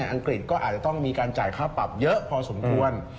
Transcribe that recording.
อังกฤษก็อาจจะต้องมีการจ่ายค่าปรับเยอะพอสมควร